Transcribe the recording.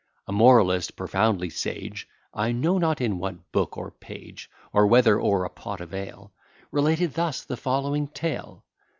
A moralist profoundly sage (I know not in what book or page, Or whether o'er a pot of ale) Related thus the following tale.